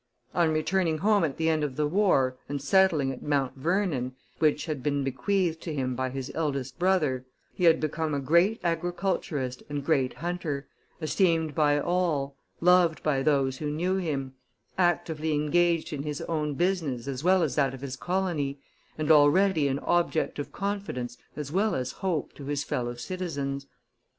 On returning home at the end of the war and settling at Mount Vernon, which had been bequeathed to him by his eldest brother, he had become a great agriculturist and great hunter, esteemed by all, loved by those who knew him, actively engaged in his own business as well as that of his colony, and already an object of confidence as well as hope to his fellow citizens.